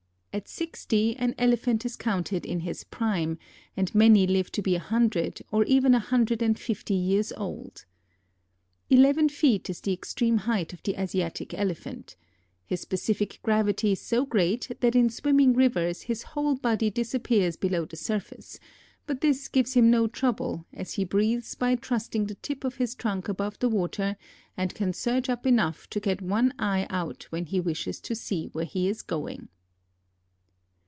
At sixty an Elephant is counted in his prime, and many live to be a hundred or even a hundred and fifty years old. Eleven feet is the extreme height of the Asiatic Elephant. His specific gravity is so great that in swimming rivers his whole body disappears below the surface; but this gives him no trouble, as he breathes by thrusting the tip of his trunk above the water and can surge up enough to get one eye out when he wishes to see where he is going.